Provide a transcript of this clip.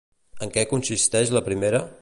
En què consisteix la primera?